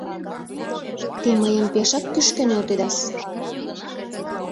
— Те мыйым пешак кӱшкӧ нӧлтедас.